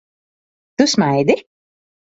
Tu smaidi?